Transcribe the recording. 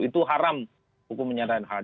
itu haram hukum menyadari hal